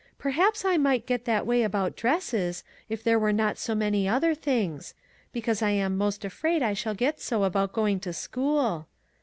" Perhaps I might get that way about dresses, if there were not so many other things. Sometimes I am 'most afraid I shall get so about going to school."